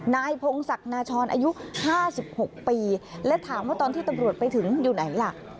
นายพงศักดิ์นาชรอายุ๕๖ปีและถามว่าตอนที่ตำรวจไปถึงอยู่ไหนล่ะ